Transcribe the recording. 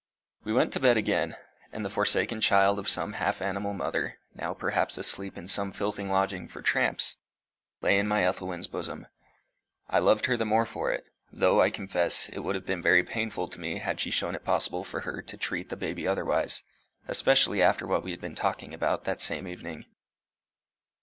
We went to bed again, and the forsaken child of some half animal mother, now perhaps asleep in some filthy lodging for tramps, lay in my Ethelwyn's bosom. I loved her the more for it; though, I confess, it would have been very painful to me had she shown it possible for her to treat the baby otherwise, especially after what we had been talking about that same evening.